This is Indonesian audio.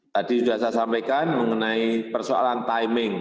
tadi sudah saya sampaikan mengenai persoalan timing